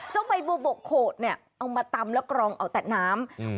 เจ้าใบบัวบกโขดเอามาตำแล้วกรองเอาแต่น้ำ